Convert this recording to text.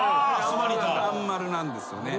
「らんまる」なんですよね。